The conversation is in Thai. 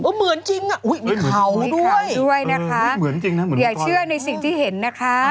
เหมือนจริงอ่ะอุ้ยมีเข่าด้วยมีเข่าด้วยนะคะอย่าเชื่อในสิ่งที่เห็นนะคะ